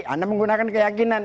anda menggunakan keyakinan